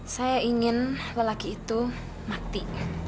saya ingin lelaki itu mati